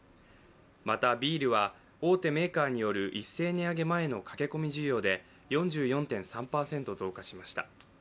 また、ビールは大手メーカーによる一斉値上げ前の駆け込み需要で４４．３％増加しました。